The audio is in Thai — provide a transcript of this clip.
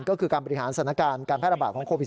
ก็คือการบริหารสถานการณ์การแพร่ระบาดของโควิด